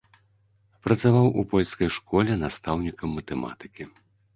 Працаваў у польскай школе настаўнікам матэматыкі.